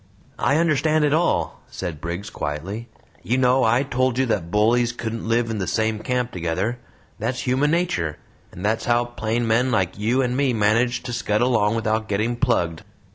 "I understand it all," said Briggs, quietly. "You know I told you that bullies couldn't live in the same camp together. That's human nature and that's how plain men like you and me manage to scud along without getting plugged.